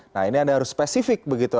nah ini anda harus spesifik begitu